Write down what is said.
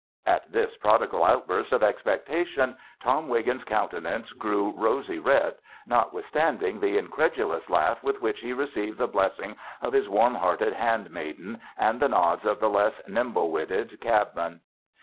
At this prodigal outburst of expectation Tom THE BACHELOR'S CHRISTMAS 9 Wiggin's countenance grew rosj red, notwith standing the incredulous laugh with which he received the blessing of his warm hearted handmaiden and the nods of the less nimble witted cab man.